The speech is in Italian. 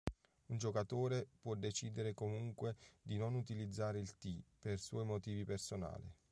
Un giocatore può decidere comunque di non utilizzare il "tee" per suoi motivi personali.